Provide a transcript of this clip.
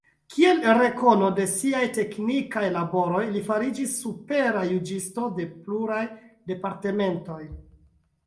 Kiel rekono de siaj teknikaj laboroj li fariĝis supera juĝisto de pluraj departementoj.